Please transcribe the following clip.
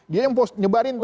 dia yang nyebarin tuh